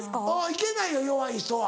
行けないよ弱い人は。